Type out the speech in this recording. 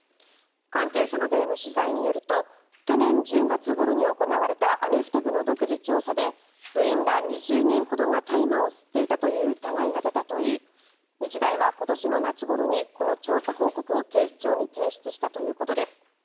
関係者などへの取材によると去年１０月ごろに行われたアメフト部の独自調査で部員ら２０人ほどが大麻を吸っていたという疑いが出たといい日大は今年の夏ごろにこの調査報告を警視庁に提出したということです。